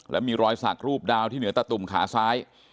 และมีรอยสักรูปดาวที่เหนือตะตุ่มขาซ้าย